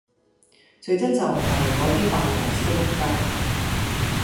最憎就系果啲扮王子嘅仆街!